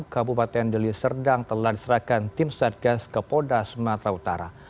kabupaten deli serdang telah diserahkan tim statgas kepoda sumatera utara